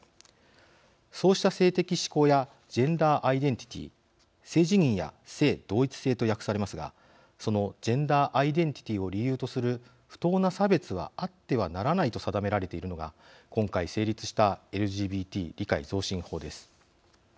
そうした性的指向やジェンダーアイデンティティー性自認や性同一性と訳されますがそのジェンダーアイデンティティーを理由とする不当な差別はあってはならないと定められているのが今回、成立したＬＧＢＴ理解増進法です。